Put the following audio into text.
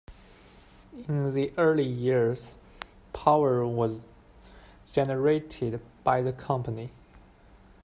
In the early years, power was generated by the company.